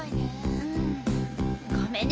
うんごめんね園子。